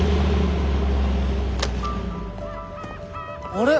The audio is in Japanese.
あれ？